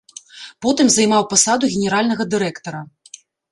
Потым займаў пасаду генеральнага дырэктара.